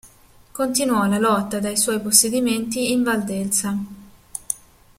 Continuò la lotta dai suoi possedimenti in Valdelsa.